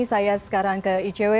saya sekarang ke icw